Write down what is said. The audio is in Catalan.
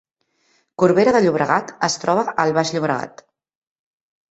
Corbera de Llobregat es troba al Baix Llobregat